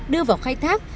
đưa vào khai thác